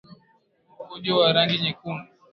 Mkojo wa rangi nyekundu